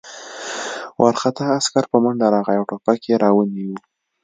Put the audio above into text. وارخطا عسکر په منډه راغی او ټوپک یې را ونیاوه